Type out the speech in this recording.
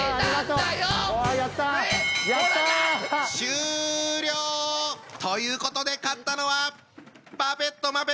終了！ということで勝ったのはパペットマペット！